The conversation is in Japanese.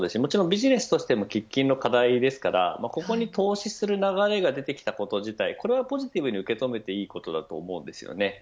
ビジネスとしても喫緊の課題ですからここに投資する流れが出てきたこと自体ポジティブに受け止めていいことだと思うんですよね。